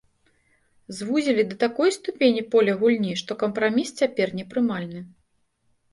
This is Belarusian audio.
Звузілі да такой ступені поле гульні, што кампраміс цяпер непрымальны.